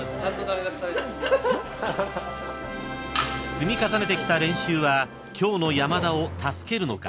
［積み重ねてきた練習は今日の山田を助けるのか？